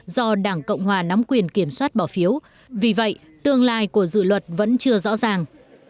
do đảng cộng hòa nắm quyền kiểm soát bỏ phiếu vì vậy tương lai của dự luật vẫn chưa rõ ràng